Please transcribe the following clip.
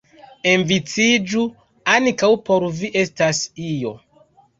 Enviciĝu, ankaŭ por Vi estas io.